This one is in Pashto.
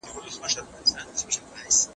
موږ بايد د پيغمبر په سنتو باندې عمل وکړو.